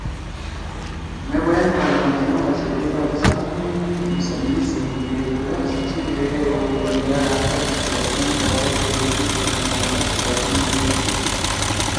مے بیان فاطمہ جناح مشرقی پاکستان اسمبلی سی حزب اختلاف سی چیف وہپ او بلدیہ ڈھاکہ سی چیئرمین خواجہ خیرالدین سیت ملاقات سی دوران دیِدُوشُو